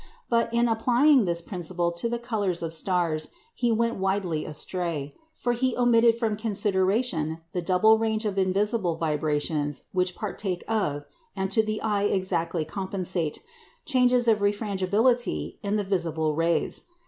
But in applying this principle to the colours of stars he went widely astray; for he omitted from consideration the double range of invisible vibrations which partake of, and to the eye exactly compensate, changes of refrangibility in the visible rays.